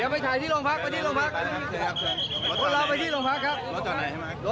พวกเราไปที่โรงพักครับ